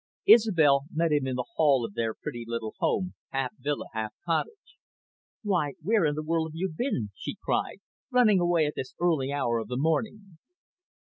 Isobel met him in the hall of their pretty little home, half villa, half cottage. "Why, where in the world have you been?" she cried, "running away at this early hour of the morning?"